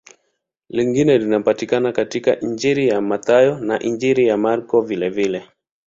Lingine linapatikana katika Injili ya Mathayo na Injili ya Marko vilevile.